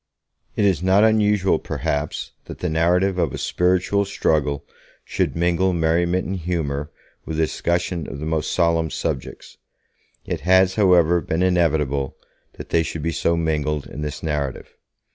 It is not usual, perhaps, that the narrative of a spiritual struggle should mingle merriment and humour with a discussion of the most solemn subjects. It has, however, been inevitable that they should be so mingled in this narrative.